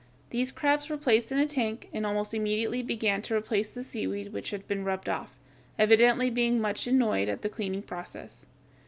These crabs were placed in a tank, and almost immediately began to replace the seaweed which had been rubbed off, evidently being much annoyed at the cleaning process.